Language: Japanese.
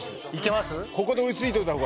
ここで追いついておいた方が。